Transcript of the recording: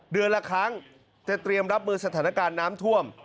เดือนละครั้งจะเตรียมรับมือสถานการณ์น้ำท่วม